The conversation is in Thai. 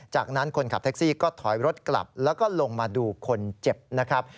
จากนั้นคนขับแท็กซี่ก็ถอยรถกลับแล้วก็ลงมาดูคนเจ็บนะครับ